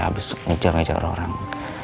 abis ngejar ngejar orang